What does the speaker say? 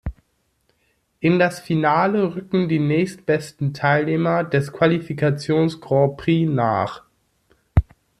In das Finale rücken die nächstbesten Teilnehmer des Qualifikations-Grand Prix nach.